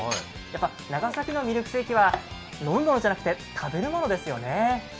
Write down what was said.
長崎のミルクセーキは飲むものじゃなくて食べるものですよね？